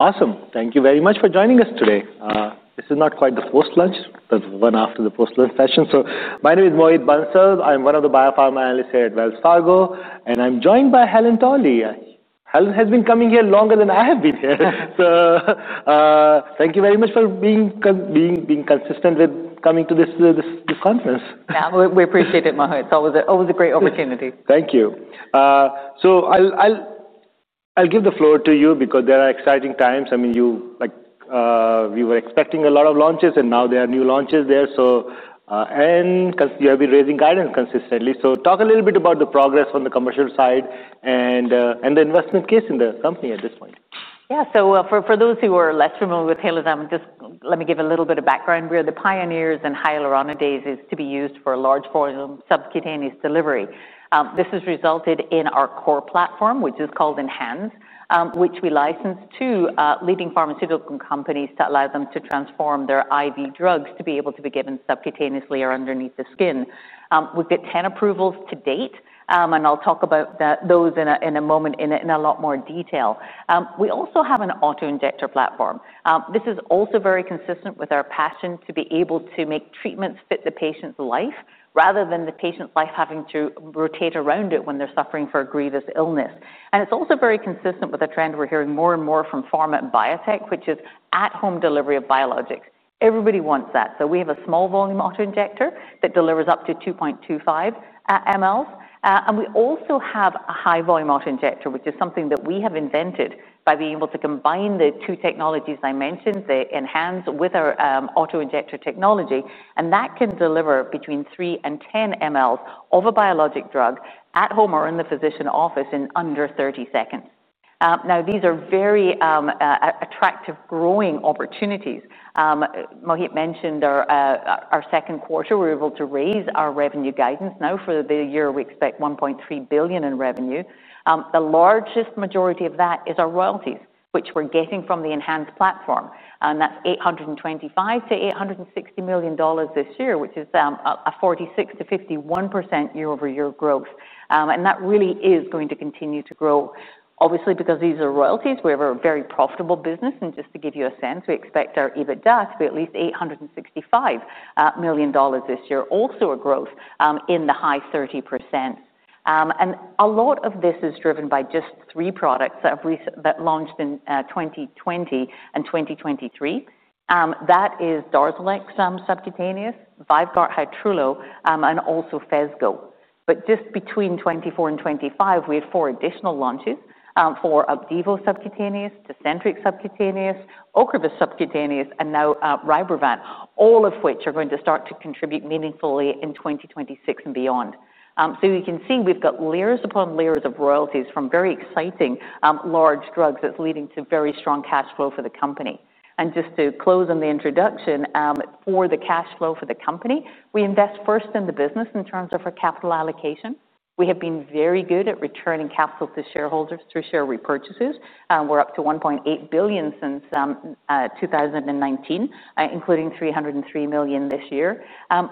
Awesome. Thank you very much for joining us today. This is not quite the post-lunch. There's one after the post-lunch session. My name is Mohit Bansal. I'm one of the biopharma analysts here at Wells Fargo, and I'm joined by Dr. Helen Torley. Helen has been coming here longer than I have been here. Thank you very much for being consistent with coming to this conference. Yeah, we appreciate it, Mohit. That was a great opportunity. Thank you. I'll give the floor to you because there are exciting times. I mean, you, like, we were expecting a lot of launches, and now there are new launches there. You have been raising guidance consistently. Talk a little bit about the progress on the commercial side and the investment case in the company at this point. Yeah, so for those who are less familiar with Halozyme, just let me give a little bit of background. We are the pioneers in hyaluronidase to be used for a large volume subcutaneous delivery. This has resulted in our core platform, which is called ENHANZE®, which we license to leading pharmaceutical companies to allow them to transform their IV drugs to be able to be given subcutaneously or underneath the skin. We've hit 10 approvals to date, and I'll talk about those in a moment in a lot more detail. We also have an auto-injector platform. This is also very consistent with our passion to be able to make treatments fit the patient's life rather than the patient's life having to rotate around it when they're suffering from a grievous illness. It's also very consistent with a trend we're hearing more and more from pharma and biotech, which is at-home delivery of biologics. Everybody wants that. We have a small volume auto-injector that delivers up to 2.25 ml. We also have a high-volume auto-injector, which is something that we have invented by being able to combine the two technologies I mentioned, the ENHANZE® with our auto-injector technology. That can deliver between 3 ml and 10 ml of a biologic drug at home or in the physician office in under 30 seconds. These are very attractive, growing opportunities. Mohit mentioned our second quarter. We were able to raise our revenue guidance. Now for the year, we expect $1.3 billion in revenue. The largest majority of that is our royalties, which we're getting from the ENHANZE® platform. That's $825 million-$860 million this year, which is a 46%-51% year-over-year growth. That really is going to continue to grow, obviously, because these are royalties. We have a very profitable business. Just to give you a sense, we expect our EBITDA to be at least $865 million this year, also a growth in the high 30%. A lot of this is driven by just three products that launched in 2020 and 2023. That is Darzalex® subcutaneous, VYVGART® Hytrulo, and also PHESGO®. Just between 2024 and 2025, we had four additional launches for Opdivo® subcutaneous, Tecentriq® subcutaneous, Ocrevus® subcutaneous, and now Rybrevant®, all of which are going to start to contribute meaningfully in 2026 and beyond. You can see we've got layers upon layers of royalties from very exciting large drugs that's leading to very strong cash flow for the company. To close on the introduction, for the cash flow for the company, we invest first in the business in terms of our capital allocation. We have been very good at returning capital to shareholders through share repurchases. We're up to $1.8 billion since 2019, including $303 million this year.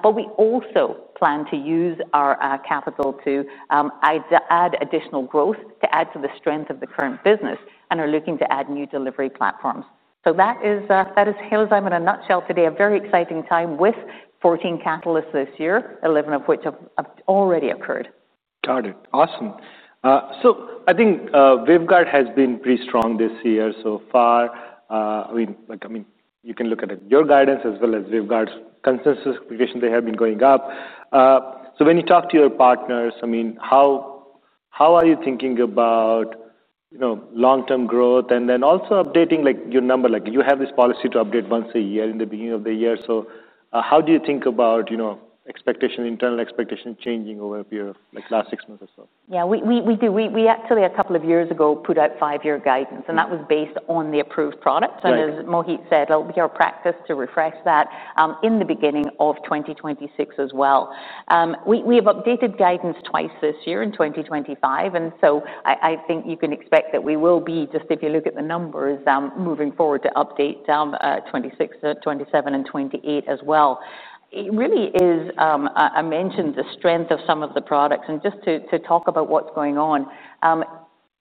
We also plan to use our capital to add additional growth to add to the strength of the current business and are looking to add new delivery platforms. That is Halozyme Therapeutics in a nutshell today, a very exciting time with 14 catalysts this year, 11 of which have already occurred. Got it. Awesome. I think VYVGART® has been pretty strong this year so far. I mean, you can look at your guidance as well as VYVGART®'s consensus expectations. They have been going up. When you talk to your partners, how are you thinking about long-term growth and then also updating your number? You have this policy to update once a year in the beginning of the year. How do you think about expectation, internal expectation changing over a period of like the last six months or so? Yeah, we do. We actually, a couple of years ago, put out five-year guidance, and that was based on the approved product. As Mohit said, it'll be our practice to refresh that in the beginning of 2026 as well. We have updated guidance twice this year in 2025. I think you can expect that we will be, just if you look at the numbers, moving forward to update 2026, 2027, and 2028 as well. It really is, I mentioned, the strength of some of the products. Just to talk about what's going on,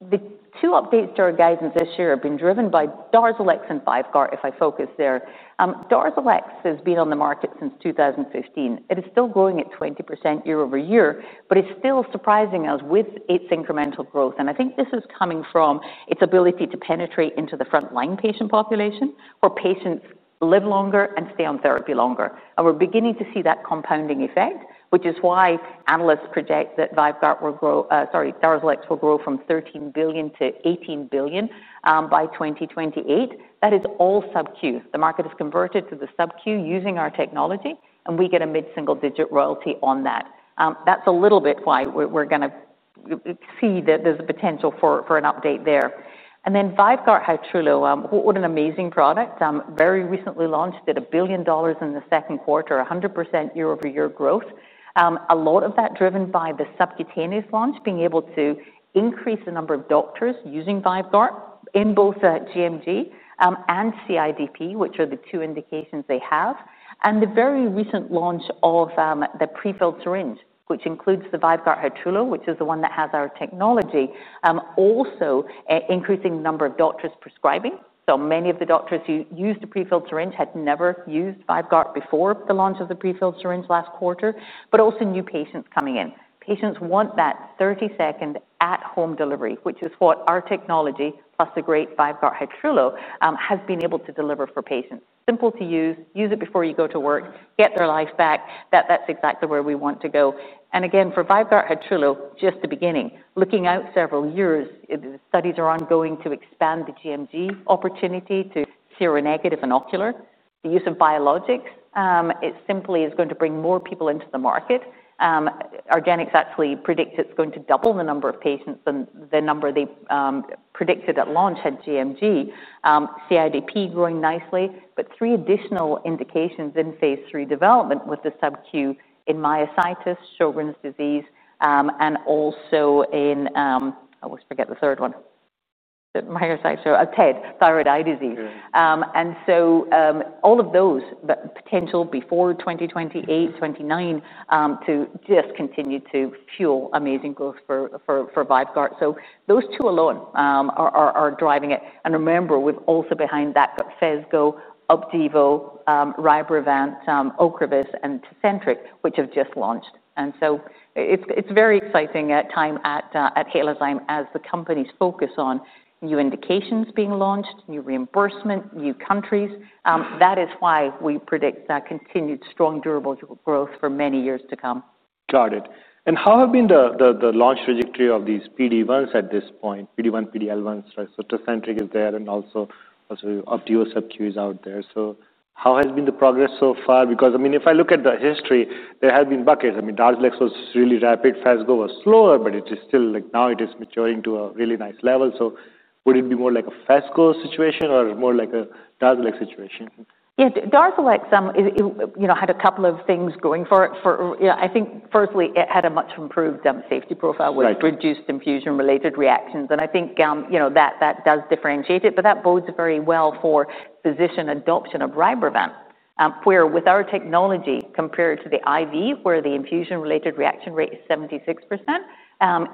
the two updates to our guidance this year have been driven by Darzalex® and VYVGART® Hytrulo, if I focus there. Darzalex® has been on the market since 2015. It is still growing at 20% year-over-year, but it's still surprising us with its incremental growth. I think this is coming from its ability to penetrate into the frontline patient population where patients live longer and stay on therapy longer. We're beginning to see that compounding effect, which is why analysts project that Darzalex® will grow from $13 billion-$18 billion by 2028. That is all sub-Q. The market is converted to the sub-Q using our technology, and we get a mid-single-digit royalty on that. That's a little bit why we're going to see that there's a potential for an update there. VYVGART® Hytrulo, what an amazing product, very recently launched at $1 billion in the second quarter, 100% year-over-year growth. A lot of that driven by the subcutaneous launch, being able to increase the number of doctors using VYVGART® in both GMG and CIDP, which are the two indications they have The very recent launch of the prefilled syringe, which includes the VYVGART® Hytrulo, which is the one that has our technology, also increasing the number of doctors prescribing. Many of the doctors who use the prefilled syringe had never used VYVGART® before the launch of the prefilled syringe last quarter, but also new patients coming in. Patients want that 30-second at-home delivery, which is what our technology, plus the great VYVGART® Hytrulo, has been able to deliver for patients. Simple to use. Use it before you go to work, get their life back. That's exactly where we want to go. For VYVGART® Hytrulo, just the beginning. Looking out several years, the studies are ongoing to expand the GMG opportunity to seronegative and ocular. The use of biologics, it simply is going to bring more people into the market. Organics actually predict it's going to double the number of patients than the number they predicted at launch at GMG. CIDP growing nicely, but three additional indications in phase III development with the sub-Q in myositis, Sjogren's disease, and also in, I always forget the third one, thyroid eye disease. All of those potential before 2028, 2029, to just continue to fuel amazing growth for VYVGART®. Those two alone are driving it. Remember, we're also behind that PHESGO®, Opdivo®, Rybrevant®, Ocrevus®, and Tecentriq®, which have just launched. It's a very exciting time at Halozyme as the company's focus is on new indications being launched, new reimbursement, new countries. That is why we predict that continued strong durable growth for many years to come. Got it. How have been the launch trajectory of these PD-1s at this point? PD-1, PD-L1s, so Tecentriq is there, and also Opdivo is out there. How has been the progress so far? If I look at the history, there have been buckets. Darzalex® was really rapid. PHESGO was slower, but it is still like now it is maturing to a really nice level. Would it be more like a PHESGO situation or more like a Darzalex® situation? Yeah, Darzalex® had a couple of things going for it. I think firstly, it had a much improved safety profile with reduced infusion-related reactions. I think that does differentiate it, but that bodes very well for physician adoption of Rybrevant®, where with our technology compared to the IV, where the infusion-related reaction rate is 76%,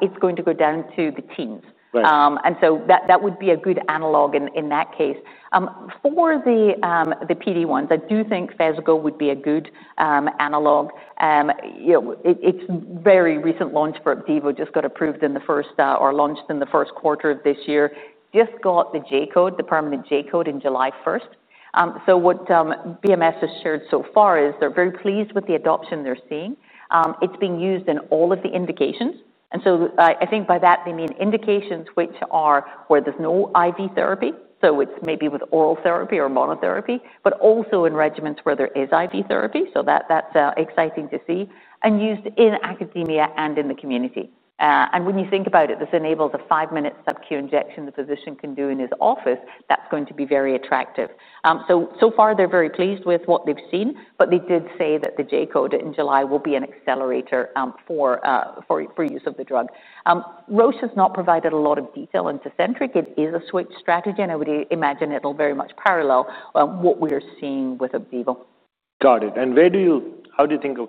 it's going to go down to the teens. That would be a good analog in that case. For the PD-1s, I do think PHESGO® would be a good analog. It's a very recent launch for Opdivo®; just got approved in the first or launched in the first quarter of this year, just got the J code, the permanent J code on July 1st. What Bristol-Myers Squibb has shared so far is they're very pleased with the adoption they're seeing. It's being used in all of the indications. I think by that, they mean indications which are where there's no IV therapy. It's maybe with oral therapy or monotherapy, but also in regimens where there is IV therapy. That's exciting to see and used in academia and in the community. When you think about it, this enables a five-minute subc-Q injection the physician can do in his office. That's going to be very attractive. So far, they're very pleased with what they've seen, but they did say that the J code in July will be an accelerator for use of the drug. Roche has not provided a lot of detail on Tecentriq®. It is a switch strategy, and I would imagine it'll very much parallel what we are seeing with Opdivo®. Got it. How do you think of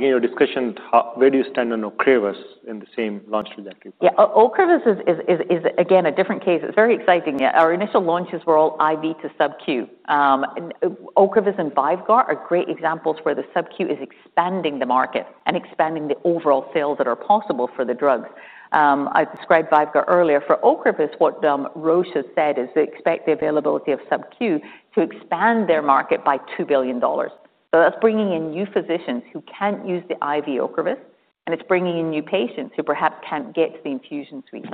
your discussion, where do you stand on Ocrevus® in the same launch trajectory? Yeah, Ocrevus® is, again, a different case. It's very exciting. Our initial launches were all IV to sub-Q. Ocrevus® and VYVGART® are great examples where the sub-Q is expanding the market and expanding the overall sales that are possible for the drug. I described VYVGART® earlier. For Ocrevus®, what Roche has said is they expect the availability of sub-Q to expand their market by $2 billion. That's bringing in new physicians who can't use the IV Ocrevus®, and it's bringing in new patients who perhaps can't get to the infusion suite.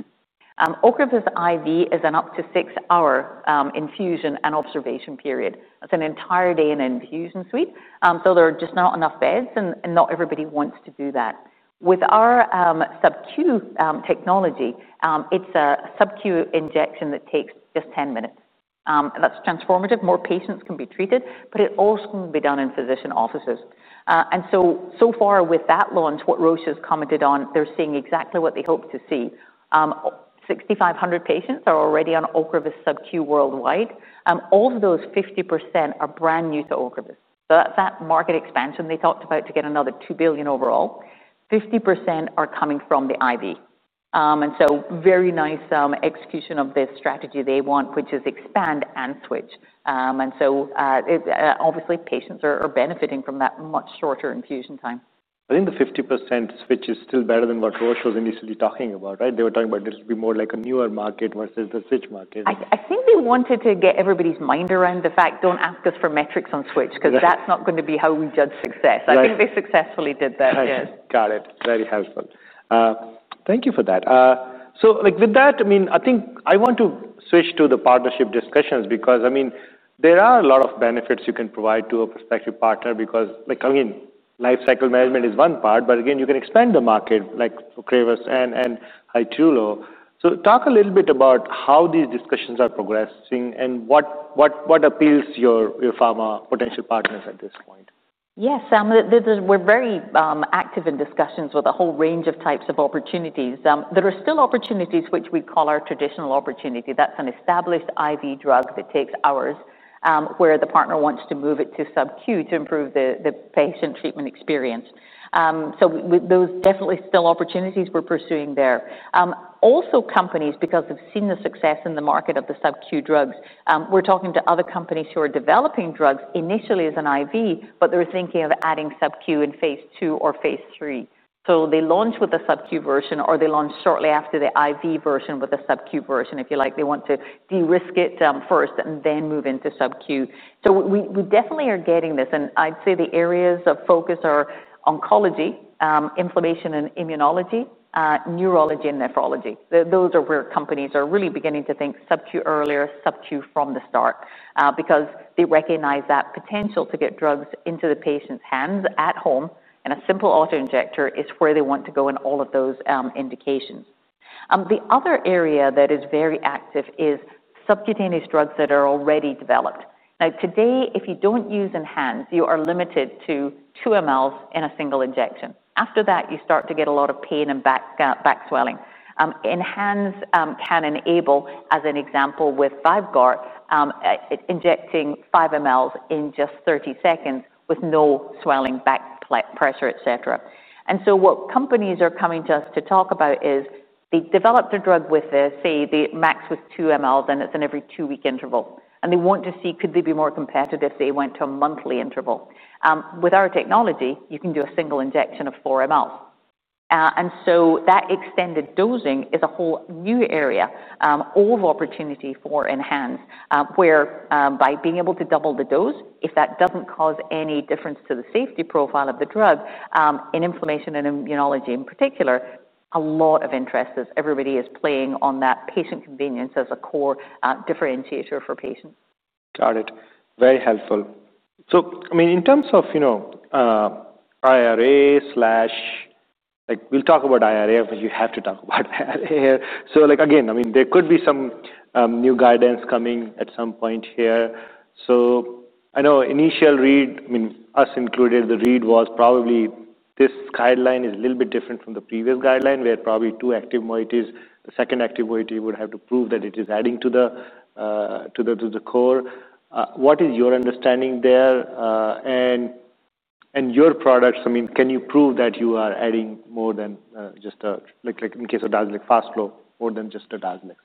Ocrevus® IV is an up to six-hour infusion and observation period. That's an entire day in an infusion suite. There are just not enough beds, and not everybody wants to do that. With our sub-Q technology, it's a sub-Q injection that takes just 10 minutes. That's transformative. More patients can be treated, and it all can be done in physician offices. So far with that launch, what Roche has commented on, they're seeing exactly what they hope to see. 6,500 patients are already on Ocrevus® sub-Q worldwide. Of those, 50% are brand new to Ocrevus®. That's that market expansion they talked about to get another $2 billion overall. 50% are coming from the IV. Very nice execution of this strategy they want, which is expand and switch. Obviously, patients are benefiting from that much shorter infusion time. I think the 50% switch is still better than what Roche was initially talking about, right? They were talking about this would be more like a newer market versus the switch market. I think they wanted to get everybody's mind around the fact, don't ask us for metrics on switch because that's not going to be how we judge success. I think they successfully did that. Got it. Very helpful. Thank you for that. With that, I think I want to switch to the partnership discussions because there are a lot of benefits you can provide to a prospective partner. Lifecycle management is one part, but again, you can expand the market like Ocrevus® and Hytrulo. Talk a little bit about how these discussions are progressing and what appeals to your pharma potential partners at this point. Yes, we're very active in discussions with a whole range of types of opportunities. There are still opportunities which we call our traditional opportunity. That's an established IV drug that takes hours where the partner wants to move it to sub-Q to improve the patient treatment experience. Those are definitely still opportunities we're pursuing there. Also, companies, because they've seen the success in the market of the sub-Q drugs, we're talking to other companies who are developing drugs initially as an IV, but they're thinking of adding sub-Q in phase II or phase III. They launch with the sub-Q version or they launch shortly after the IV version with the sub-Q version, if you like. They want to de-risk it first and then move into sub-Q. We definitely are getting this, and I'd say the areas of focus are oncology, inflammation and immunology, neurology, and nephrology. Those are where companies are really beginning to think sub-Q earlier, sub-Q from the start because they recognize that potential to get drugs into the patient's hands at home and a simple auto-injector is where they want to go in all of those indications. The other area that is very active is subcutaneous drugs that are already developed. Now, today, if you don't use ENHANZE®, you are limited to 2 ml in a single injection. After that, you start to get a lot of pain and back swelling. ENHANZE® can enable, as an example, with VYVGART®, injecting 5 ml in just 30 seconds with no swelling, back pressure, et cetera. What companies are coming to us to talk about is they developed a drug with this, say the max was 2 ml, then it's in every two-week interval. They want to see, could they be more competitive if they went to a monthly interval? With our technology, you can do a single injection of 4 ml. That extended dosing is a whole new area of opportunity for ENHANZE®, where by being able to double the dose, if that doesn't cause any difference to the safety profile of the drug, in inflammation and immunology in particular, a lot of interest is everybody is playing on that patient convenience as a core differentiator for patients. Got it. Very helpful. In terms of IRA, we'll talk about IRA, but you have to talk about IRA here. Again, there could be some new guidance coming at some point here. I know initial read, us included, the read was probably this guideline is a little bit different from the previous guideline where probably two active moieties, the second active moiety would have to prove that it is adding to the core. What is your understanding there? Your products, can you prove that you are adding more than just a, like in case of Darzalex® fast flow, more than just a Darzalex®?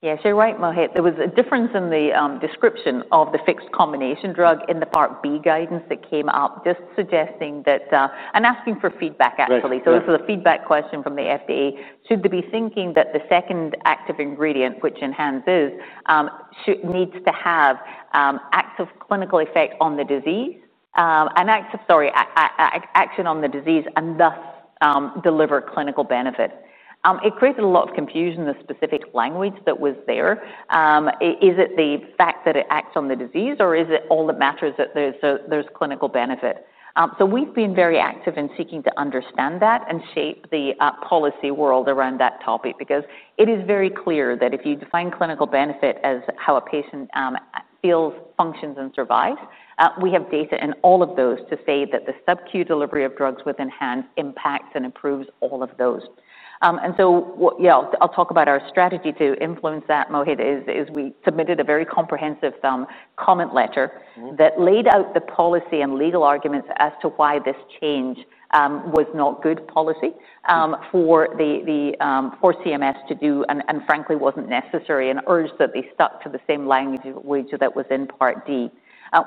Yeah, so you're right, Mohit. There was a difference in the description of the fixed combination drug in the Part B guidance that came up, just suggesting that, and asking for feedback, actually. This is a feedback question from the FDA. Should they be thinking that the second active ingredient, which ENHANZE® is, needs to have active clinical effect on the disease and active action on the disease and thus deliver clinical benefit? It created a lot of confusion, the specific language that was there. Is it the fact that it acts on the disease or is it all that matters that there's clinical benefit? We have been very active in seeking to understand that and shape the policy world around that topic because it is very clear that if you define clinical benefit as how a patient feels, functions, and survives, we have data in all of those to say that the sub-Q delivery of drugs with ENHANZE® impacts and improves all of those. I'll talk about our strategy to influence that, Mohit. We submitted a very comprehensive comment letter that laid out the policy and legal arguments as to why this change was not good policy for CMS to do and frankly wasn't necessary and urged that they stuck to the same language that was in Part D.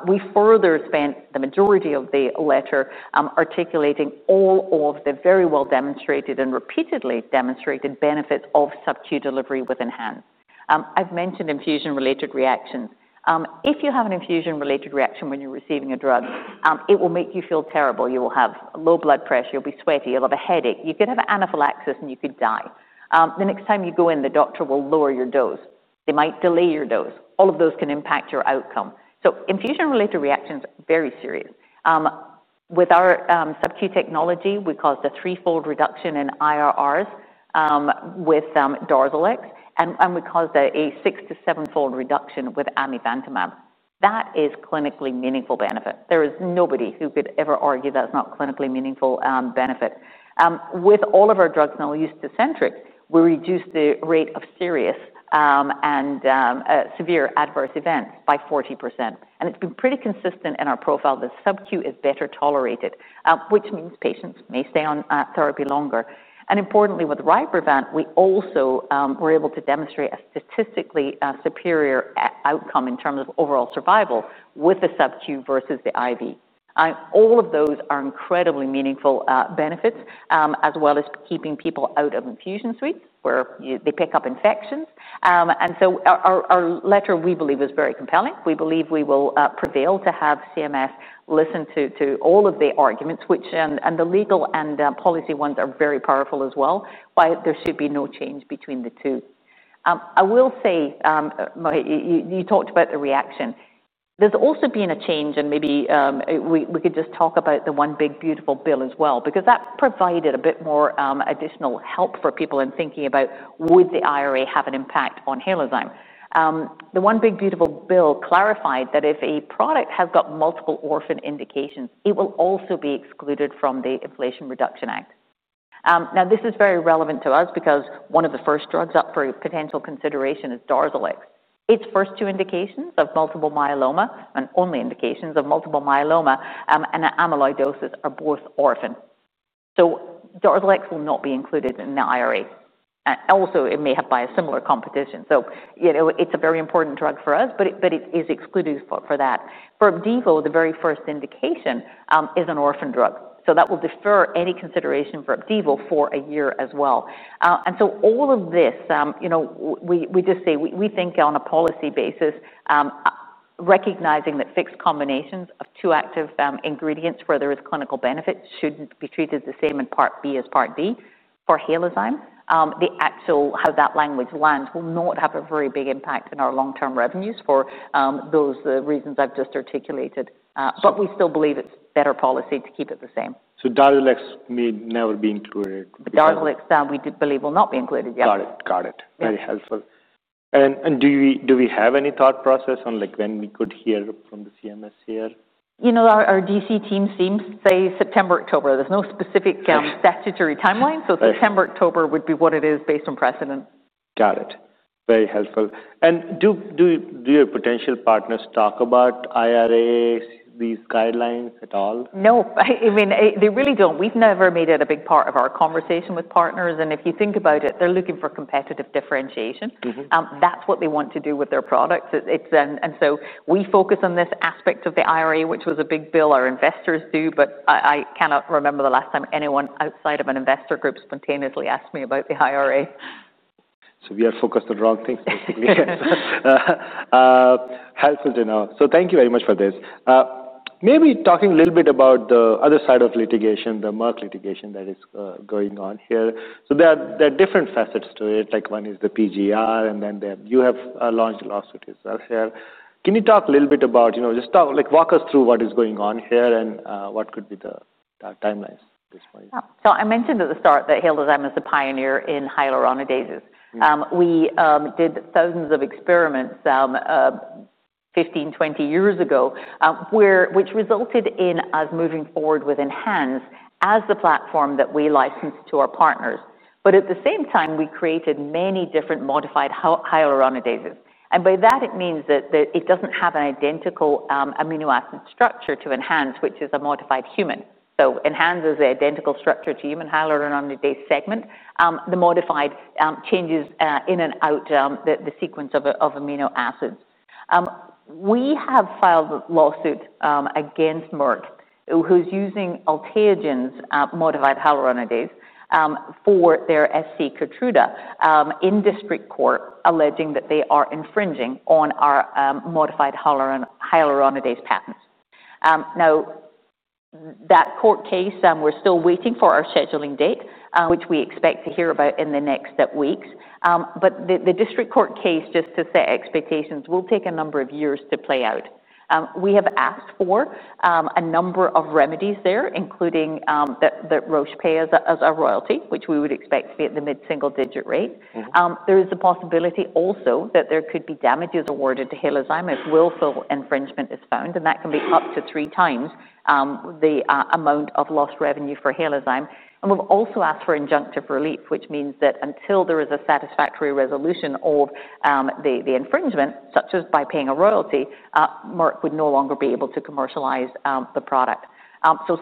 We further spent the majority of the letter articulating all of the very well-demonstrated and repeatedly demonstrated benefits of sub-Q delivery with ENHANZE. I've mentioned infusion-related reactions. If you have an infusion-related reaction when you're receiving a drug, it will make you feel terrible. You will have low blood pressure. You'll be sweaty. You'll have a headache. You could have anaphylaxis and you could die. The next time you go in, the doctor will lower your dose. They might delay your dose. All of those can impact your outcome. Infusion-related reactions are very serious. With our sub-Q technology, we caused a threefold reduction in IRRs with Darzalex, and we caused a 6-7 fold reduction with amivantamab. That is clinically meaningful benefit. There is nobody who could ever argue that's not clinically meaningful benefit. With all of our drugs now used to Tecentriq, we reduced the rate of serious and severe adverse events by 40%. It's been pretty consistent in our profile that sub-Q is better tolerated, which means patients may stay on therapy longer. Importantly, with Rybrevant® we also were able to demonstrate a statistically superior outcome in terms of overall survival with the sub-Q versus the IV. All of those are incredibly meaningful benefits, as well as keeping people out of infusion suites where they pick up infections. Our letter, we believe, is very compelling. We believe we will prevail to have CMS listen to all of the arguments, which, and the legal and policy ones are very powerful as well, but there should be no change between the two. I will say, Mohit, you talked about the reaction. There's also been a change, and maybe we could just talk about the One Big Beautiful Bill as well, because that provided a bit more additional help for people in thinking about would the IRA have an impact on Halozyme. The One Big Beautiful Bill clarified that if a product has got multiple orphan indications, it will also be excluded from the Inflation Reduction Act. This is very relevant to us because one of the first drugs up for potential consideration is Darzalex®. Its first two indications of multiple myeloma, and only indications of multiple myeloma and amyloidosis, are both orphan. Darzalex® will not be included in the IRA. It may have biosimilar competition. It's a very important drug for us, but it is excluded for that. For Opdivo®, the very first indication is an orphan drug. That will defer any consideration for Opdivo® for a year as well. All of this, we just say we think on a policy basis, recognizing that fixed combinations of two active ingredients where there is clinical benefit shouldn't be treated the same in Part B as Part D for Halozyme. The actual how that language lands will not have a very big impact in our long-term revenues for those reasons I've just articulated. We still believe it's better policy to keep it the same. Darzalex® may never be included. Darzalex® we believe will not be included, yeah. Got it. Very helpful. Do we have any thought process on when we could hear from the CMS here? Our DC team seems to say September, October. There's no specific statutory timeline. September, October would be what it is based on precedent. Got it. Very helpful. Do your potential partners talk about the Inflation Reduction Act, these guidelines at all? No, I mean, they really don't. We've never made it a big part of our conversation with partners. If you think about it, they're looking for competitive differentiation. That's what they want to do with their products. We focus on this aspect of the IRA, which was a big bill our investors do. I cannot remember the last time anyone outside of an investor group spontaneously asked me about the IRA. We are focused on wrong things, basically. Helpful to know. Thank you very much for this. Maybe talking a little bit about the other side of litigation, the Merck litigation that is going on here. There are different facets to it. One is the PGR, and then you have launched a lawsuit yourself here. Can you talk a little bit about, you know, just walk us through what is going on here and what could be the timelines at this point? I mentioned at the start that Halozyme is a pioneer in hyaluronidases. We did thousands of experiments 15, 20 years ago, which resulted in us moving forward with ENHANZE® as the platform that we licensed to our partners. At the same time, we created many different modified hyaluronidases. By that, it means that it doesn't have an identical amino acid structure to ENHANZE, which is a modified human. ENHANZE® is the identical structure to human hyaluronidase segment. The modified changes in and out the sequence of amino acids. We have filed a lawsuit against Merck, who's using Alteogen's modified hyaluronidase for their subcutaneous Keytruda in district court, alleging that they are infringing on our modified hyaluronidase patents. That court case, we're still waiting for our scheduling date, which we expect to hear about in the next weeks. The district court case, just to set expectations, will take a number of years to play out. We have asked for a number of remedies there, including that Merck pay us as a royalty, which we would expect to be at the mid-single-digit rate. There is a possibility also that there could be damages awarded to Halozyme if willful infringement is found, and that can be up to three times the amount of lost revenue for Halozyme. We've also asked for injunctive relief, which means that until there is a satisfactory resolution of the infringement, such as by paying a royalty, Merck would no longer be able to commercialize the product.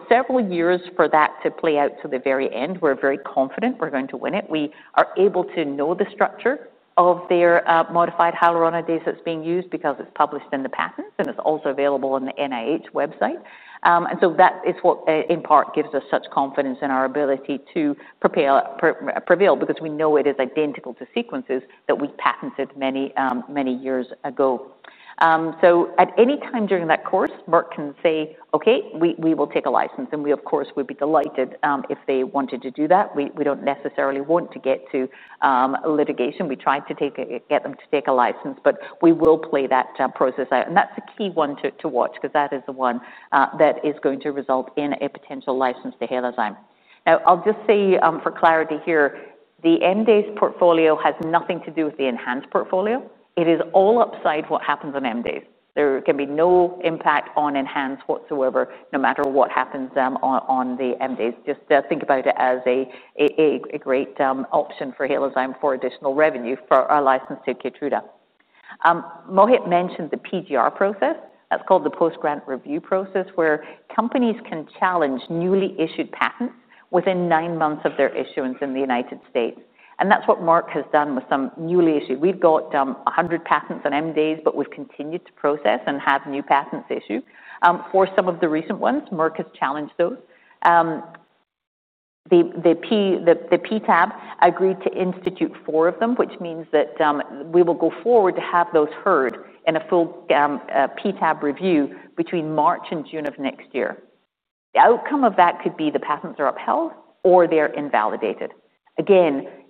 Several years for that to play out to the very end. We're very confident we're going to win it. We are able to know the structure of their modified hyaluronidase that's being used because it's published in the patents and it's also available on the NIH website. That is what in part gives us such confidence in our ability to prevail because we know it is identical to sequences that we patented many, many years ago. At any time during that course, Merck can say, okay, we will take a license. We, of course, would be delighted if they wanted to do that. We don't necessarily want to get to litigation. We try to get them to take a license, but we will play that process out. That's a key one to watch because that is the one that is going to result in a potential license to Halozyme. I'll just say for clarity here, the MDase portfolio has nothing to do with the ENHANZE® portfolio. It is all upside what happens on MDase. There can be no impact on ENHANZE® whatsoever, no matter what happens on the MDase. Just think about it as a great option for Halozyme Therapeutics for additional revenue for our license to Keytruda®. Mohit mentioned the PGR process. That's called the post-grant review process where companies can challenge newly issued patents within nine months of their issuance in the United States. That's what Merck has done with some newly issued. We've got 100 patents on MDase, but we've continued to process and have new patents issued. For some of the recent ones, Merck has challenged those. The PTAB agreed to institute four of them, which means that we will go forward to have those heard in a full PTAB review between March and June of next year. The outcome of that could be the patents are upheld or they're invalidated.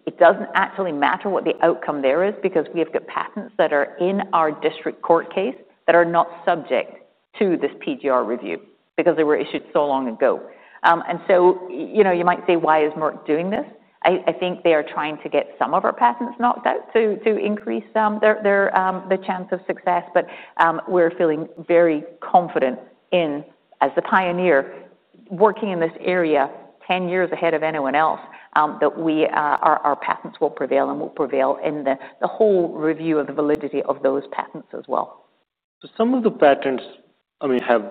It doesn't actually matter what the outcome there is because we have got patents that are in our district court case that are not subject to this PGR review because they were issued so long ago. You might say, why is Merck doing this? I think they are trying to get some of our patents knocked out to increase the chance of success. We're feeling very confident in, as the pioneer working in this area 10 years ahead of anyone else, that our patents will prevail and will prevail in the whole review of the validity of those patents as well. Some of the patents have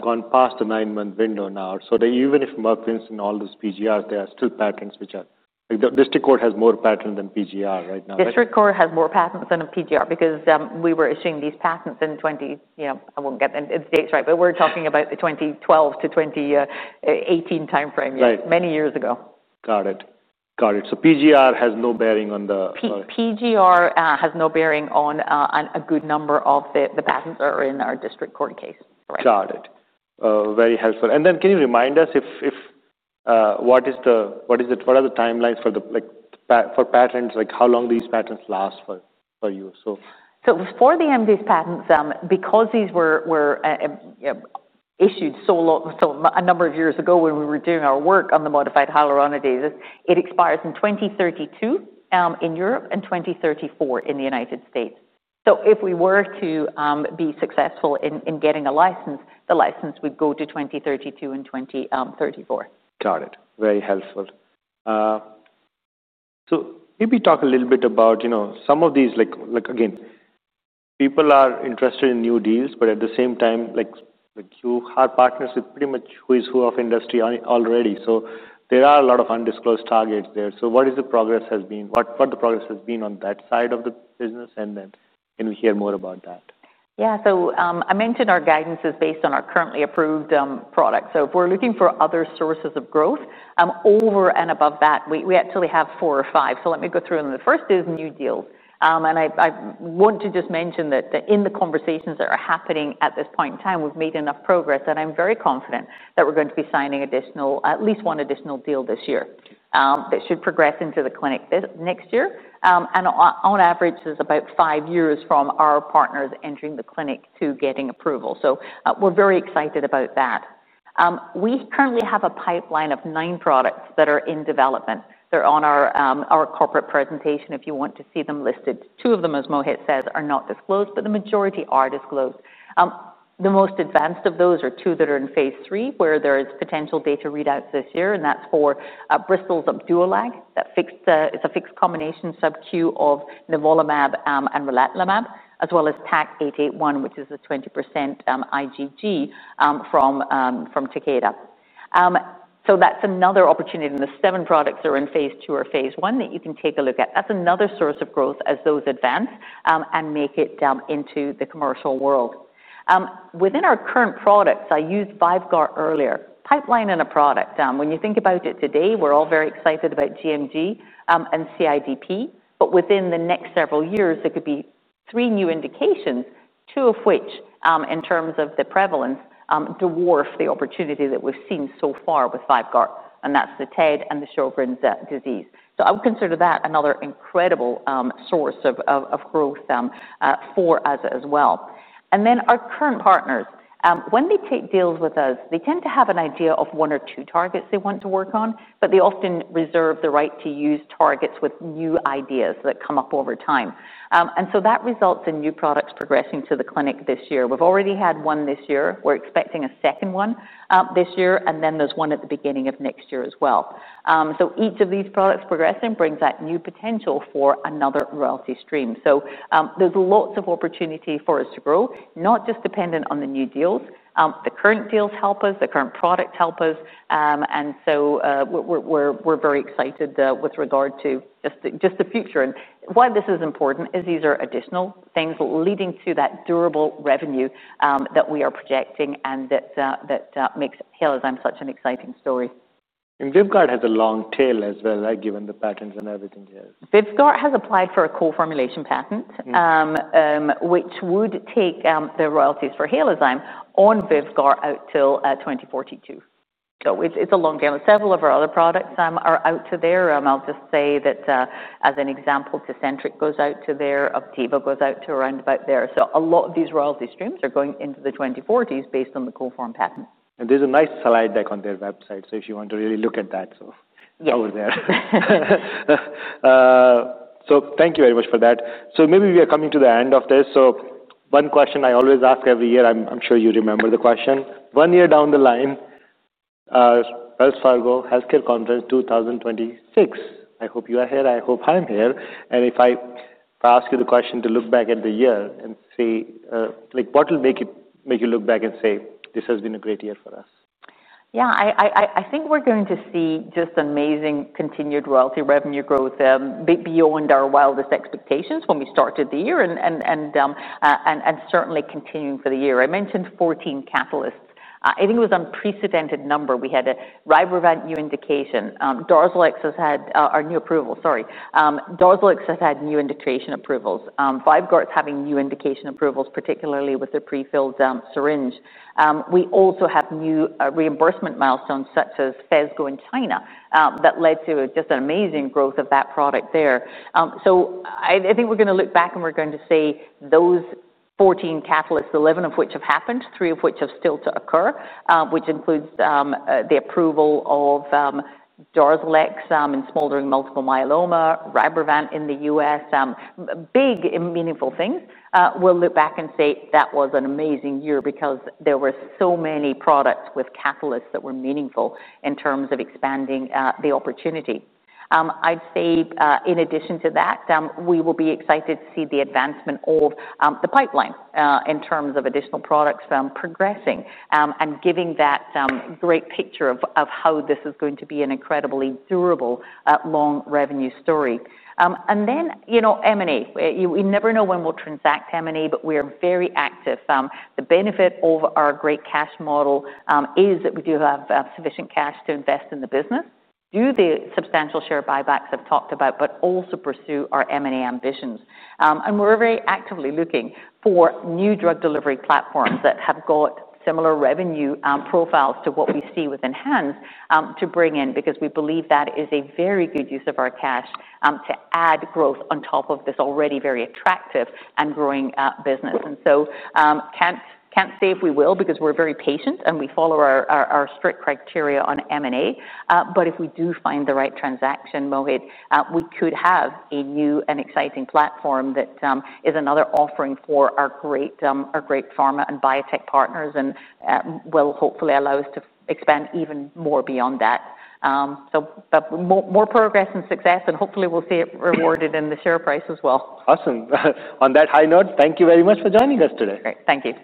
gone past a nine-month window now. Even if Merck wins in all those PGRs, there are still patents where the district court has more patents than PGR right now. District court has more patents than PGR because we were issuing these patents in the 2010s, you know, I won't get the dates right, but we're talking about the 2012 to 2018 time frame, many years ago. Got it. Got it. PGR has no bearing on the. PGR has no bearing on a good number of the patents that are in our district court case. Got it. Very helpful. Can you remind us if, what is the, what are the timelines for the, like for patents, like how long these patents last for you? For the MDase patents, because these were issued a number of years ago when we were doing our work on the modified hyaluronidases, it expires in 2032 in Europe and 2034 in the United States. If we were to be successful in getting a license, the license would go to 2032 and 2034. Got it. Very helpful. Maybe talk a little bit about, you know, some of these, like, again, people are interested in new deals, but at the same time, you have partners with pretty much who is who of industry already. There are a lot of undisclosed targets there. What the progress has been on that side of the business, and then can we hear more about that? Yeah, so I mentioned our guidance is based on our currently approved product. If we're looking for other sources of growth, over and above that, we actually have four or five. Let me go through them. The first is new deals. I want to just mention that in the conversations that are happening at this point in time, we've made enough progress that I'm very confident that we're going to be signing at least one additional deal this year that should progress into the clinic next year. On average, there's about five years from our partners entering the clinic to getting approval. We're very excited about that. We currently have a pipeline of nine products that are in development. They're on our corporate presentation if you want to see them listed. Two of them, as Mohit said, are not disclosed, but the majority are disclosed. The most advanced of those are two that are inphase III, where there is potential data readouts this year, and that's for Bristol-Myers Squibb's Opdualag. It's a fixed combination sub-Q of Nivolumab and Rilatlimab, as well as TAC881, which is a 20% IgG from Takeda. That's another opportunity. The seven products that are in phase II or phase I you can take a look at. That's another source of growth as those advance and make it into the commercial world. Within our current products, I used VYVGART® earlier, pipeline in a product. When you think about it today, we're all very excited about GMG and CIDP. Within the next several years, it could be three new indications, two of which, in terms of the prevalence, dwarf the opportunity that we've seen so far with VYVGART®. That's the thyroid eye disease and the Sjogren's disease. I would consider that another incredible source of growth for us as well. Our current partners, when they take deals with us, tend to have an idea of one or two targets they want to work on, but they often reserve the right to use targets with new ideas that come up over time. That results in new products progressing to the clinic this year. We've already had one this year. We're expecting a second one this year, and there's one at the beginning of next year as well. Each of these products progressing brings that new potential for another royalty stream. There's lots of opportunity for us to grow, not just dependent on the new deals. The current deals help us. The current products help us. We're very excited with regard to just the future. Why this is important is these are additional things leading to that durable revenue that we are projecting and that makes Halozyme Therapeutics such an exciting story. VYVGART® has a long tail as well, given the patents and everything here. Hytrulo has applied for a co-formulation patent, which would take the royalties for Halozyme on VYVGART® out till 2042. It's a long tail, and several of our other products are out to there. I'll just say that, as an example, Tecentriq® goes out to there, Opdivo® goes out to around about there. A lot of these royalty streams are going into the 2040s based on the co-formulation patent. There's a nice slide deck on their website if you want to really look at that over there. Thank you very much for that. Maybe we are coming to the end of this. One question I always ask every year, I'm sure you remember the question. One year down the line, Wells Fargo Healthcare Conference 2026. I hope you are here. I hope I'm here. If I ask you the question to look back at the year and say, like what will make you look back and say, this has been a great year for us? Yeah, I think we're going to see just amazing continued royalty revenue growth beyond our wildest expectations when we started the year and certainly continuing for the year. I mentioned 14 catalysts. I think it was an unprecedented number. We had a Rybrevant® new indication. Darzalex® has had a new approval, sorry. Darzalex® has had new indication approvals. VYVGART® Hytrulo is having new indication approvals, particularly with their prefilled syringe. We also have new reimbursement milestones such as PHESGO® in China that led to just an amazing growth of that product there. I think we're going to look back and we're going to say those 14 catalysts, 11 of which have happened, three of which have still to occur, which includes the approval of Darzalex® in smoldering multiple myeloma, Rybrevant® in the U.S., big and meaningful things. We'll look back and say that was an amazing year because there were so many products with catalysts that were meaningful in terms of expanding the opportunity. I'd say in addition to that, we will be excited to see the advancement of the pipeline in terms of additional products progressing and giving that great picture of how this is going to be an incredibly durable long revenue story. You know, M&A. We never know when we'll transact M&A, but we're very active. The benefit of our great cash model is that we do have sufficient cash to invest in the business, do the substantial share buybacks I've talked about, but also pursue our M&A ambitions. We're very actively looking for new drug delivery platforms that have got similar revenue profiles to what we see with ENHANZE® to bring in because we believe that is a very good use of our cash to add growth on top of this already very attractive and growing business. I can't say if we will because we're very patient and we follow our strict criteria on M&A. If we do find the right transaction, Mohit, we could have a new and exciting platform that is another offering for our great pharma and biotech partners and will hopefully allow us to expand even more beyond that. More progress and success, and hopefully we'll see it rewarded in the share price as well. Awesome. On that high note, thank you very much for joining us today. Great. Thank you.